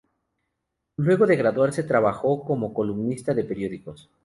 Luego de graduarse trabajó como columnista de periódicos.